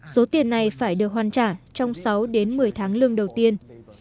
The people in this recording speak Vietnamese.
số tiền này phải được hoàn trả trong sáu đến một mươi tháng lương đầu tiên